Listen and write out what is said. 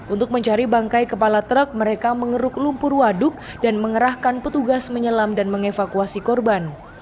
untuk mencari bangkai kepala truk mereka mengeruk lumpur waduk dan mengerahkan petugas menyelam dan mengevakuasi korban